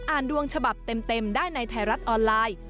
ดวงฉบับเต็มได้ในไทยรัฐออนไลน์